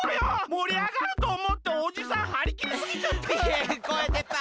もりあがるとおもっておじさんはりきりすぎちゃった！